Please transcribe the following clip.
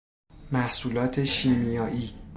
محصولات شیمیائی